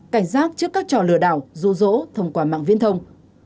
cảnh giác trước các trò lừa đảo rô rỗ thông qua mạng viễn thông